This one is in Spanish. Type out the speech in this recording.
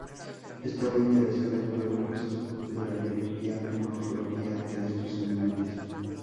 Estaba interesado en todos los aspectos de la biología y morfología de estos animales.